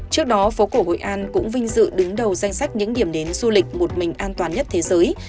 trước đó phố cổ hội an cũng vinh dự đứng đầu danh sách những điểm đến du lịch một mình an toàn nhất thế giới